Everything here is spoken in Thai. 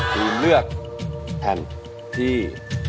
คือเลือกแผ่นที่